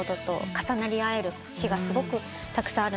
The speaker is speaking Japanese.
重なり合える詞がすごくたくさんあるなって。